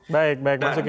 baik mas uki